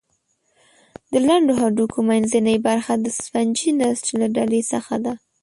د لنډو هډوکو منځنۍ برخه د سفنجي نسج له ډلې څخه ده.